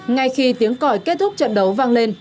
ngay khi tiếng còi kết thúc trận đấu vang lên